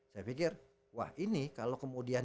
saya pikir wah ini kalau kemudian